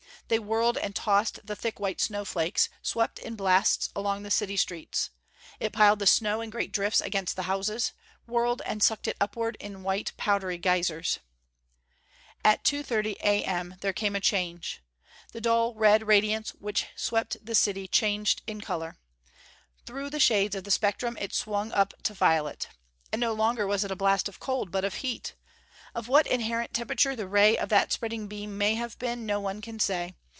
They whirled and tossed the thick white snowflakes; swept in blasts along the city streets. It piled the snow in great drifts against the houses; whirled and sucked it upward in white powdery geysers. At 2:30 A.M. there came a change. The dull red radiance which swept the city changed in color. Through the shades of the spectrum it swung up to violet. And no longer was it a blast of cold, but of heat! Of what inherent temperature the ray of that spreading beam may have been, no one can say.